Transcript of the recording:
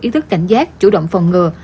ý thức cảnh giác chủ động phòng ngừa